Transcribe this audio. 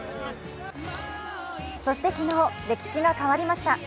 そして昨日、歴史が変わりました。